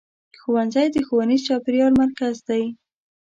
ښوونځی د ښوونیز چاپېریال مرکز دی.